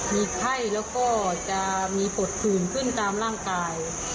มีไข้แล้วก็จะมีปวดผื่นขึ้นตามร่างกาย